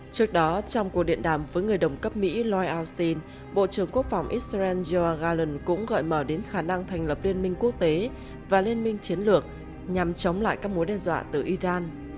trước đó trong cuộc điện đàm với người đồng cấp mỹ lloyd austin bộ trưởng quốc phòng israel yoa garlen cũng gợi mở đến khả năng thành lập liên minh quốc tế và liên minh chiến lược nhằm chống lại các mối đe dọa từ iran